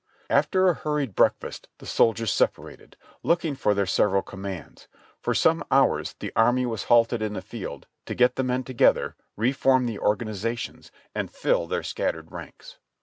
After a hurried breakfast the soldiers separated, looking for their several commands. For some hours the army was halted in the field to get the men together, reform the organizations and fill their scattered ranks.